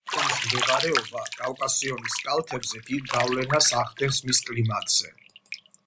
რაიონის მდებარეობა კავკასიონის კალთებზე დიდ გავლენას ახდენს მის კლიმატზე.